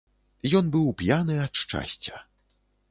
Ён быў п'яны ад шчасця.